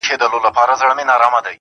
ما اورېدلي چي له مړاوو اوبو سور غورځي,